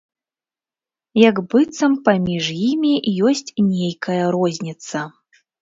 Як быццам паміж імі ёсць нейкая розніца.